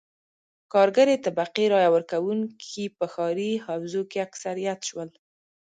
کارګرې طبقې رایه ورکوونکي په ښاري حوزو کې اکثریت شول.